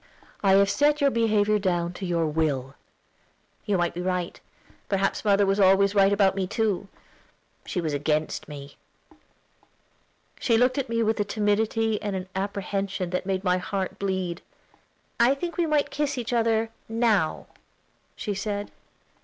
"I have set your behavior down to your will." "You may be right. Perhaps mother was always right about me too; she was against me." She looked at me with a timidity and apprehension that made my heart bleed. "I think we might kiss each other now," she said.